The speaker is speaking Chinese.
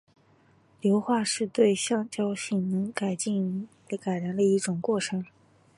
硫化是对橡胶性能进行改良的一种过程。